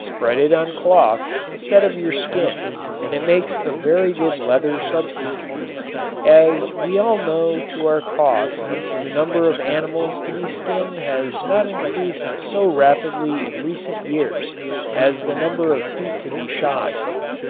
Spread it on cloth instead of your skin and it makes a very good leather substitute. As we all know to our cost the number of animals to be skinned has not increased so rapidly in recent years as the number of feet to be shod.